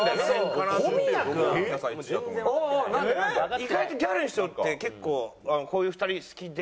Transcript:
意外とギャルの人って結構こういう２人好きで。